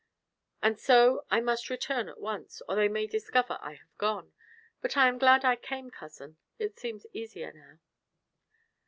"And so I must return at once, or they may discover I have gone. But I am glad I came, cousin; it seems easier now."